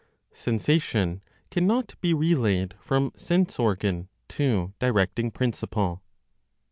SENSATION CANNOT BE RELAYED FROM SENSE ORGAN TO DIRECTING PRINCIPLE.